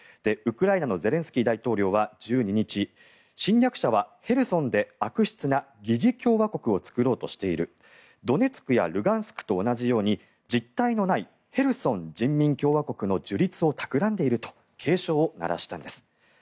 ウクライナのゼレンスキー大統領は１２日侵略者はヘルソンで悪質な疑似共和国を作ろうとしているドネツクやルガンスクと同じように、実体のないヘルソン人民共和国の樹立を企んでいると警鐘を鳴らしたんです。